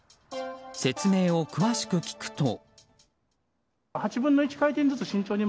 説明を詳しく聞くと。